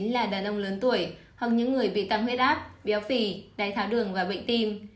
là đàn ông lớn tuổi hoặc những người bị tăng huyết áp béo phì đáy tháo đường và bệnh tim